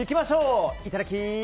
いただき！